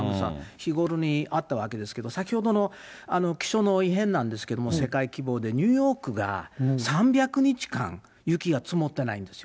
日頃にあったわけですけど、先ほどの気象の異変なんですけれども、世界規模でニューヨークが３００日間、雪が積もってないんですよ。